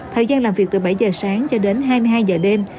thời gian làm việc từ bảy giờ sáng cho đến hai mươi hai giờ đêm